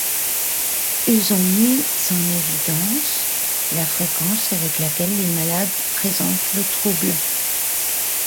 Ils ont mis en évidence la fréquence avec laquelle les malades présentent le trouble.